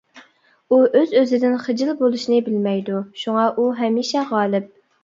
ئۇ ئۆز-ئۆزىدىن خىجىل بولۇشنى بىلمەيدۇ، شۇڭا ئۇ ھەمىشە غالىپ.